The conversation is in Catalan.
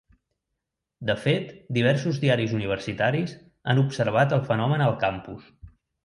De fet, diversos diaris universitaris han observat el fenomen al campus.